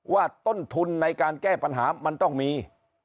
ว่าต้นทุนในการแก้ปัญหามันต้องมี